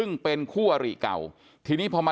ตรงนี้คือหน้านี้เข้าไปในซอย